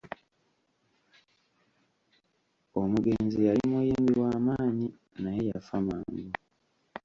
Omugenzi yali muyimbi wa maanyi naye yafa mangu.